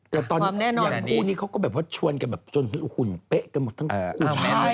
ความแน่นอนคู่นี้เขาก็แบบว่าชวนกันแบบจนหุ่นเป๊ะกันหมดทั้งผู้ชาย